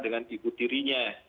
dengan ibu tirinya